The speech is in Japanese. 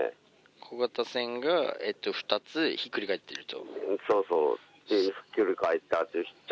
小型船が２つひっくり返っていると。